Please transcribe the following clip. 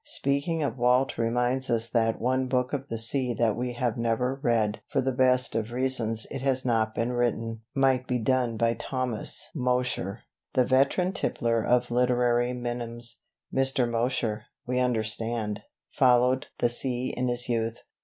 Speaking of Walt reminds us that one book of the sea that we have never read (for the best of reasons: it has not been written) might be done by Thomas Mosher, the veteran tippler of literary minims. Mr. Mosher, we understand, "followed" the sea in his youth.